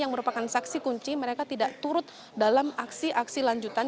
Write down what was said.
yang merupakan saksi kunci mereka tidak turut dalam aksi aksi lanjutan